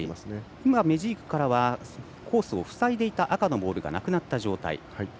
今メジークからはコースを塞いでいた赤のボールがなくなった状態。